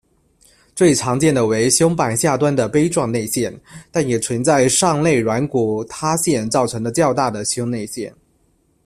最常见的为胸板下端的杯状内陷，但也存在上肋软骨塌陷造成的较大的胸内陷。